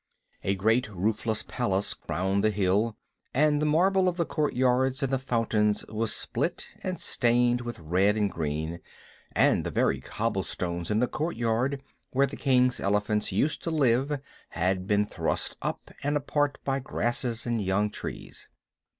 A great roofless palace crowned the hill, and the marble of the courtyards and the fountains was split, and stained with red and green, and the very cobblestones in the courtyard where the king's elephants used to live had been thrust up and apart by grasses and young trees.